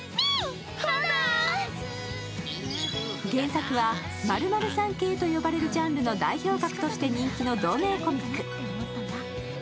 原作は○○さん系と呼ばれるジャンルの代表格として人気の同名コミック。